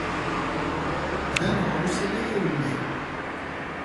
Ddan ɣer usalay awlal.